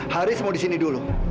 haris mau di sini dulu